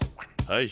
はい。